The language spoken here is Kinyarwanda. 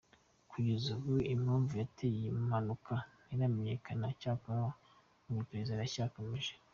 Kugeza ubu impamvu yateye iyi mpanuka ntiramenyekana ,cyakora ngo iperereza riracyakomeje .